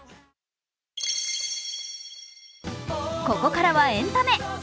ここからはエンタメ。